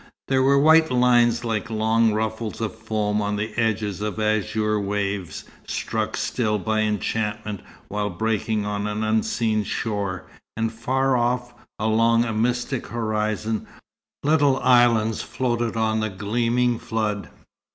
There were white lines like long ruffles of foam on the edges of azure waves, struck still by enchantment while breaking on an unseen shore; and far off, along a mystic horizon, little islands floated on the gleaming flood.